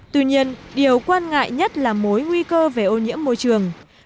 tuy nhiên điều quan ngại nhất là mối nguy cơ về ô nhiễm môi trường